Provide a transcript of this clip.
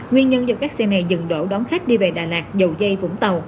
nguyên nhân do các xe này dừng đổ đón khách đi về đà lạt dầu dây vũng tàu